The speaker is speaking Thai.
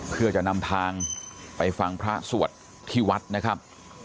เพื่อจะนำทางไปฟังพระสวดที่วัดนะครับ